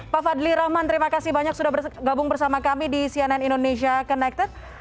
pak fadli rahman terima kasih banyak sudah bergabung bersama kami di cnn indonesia connected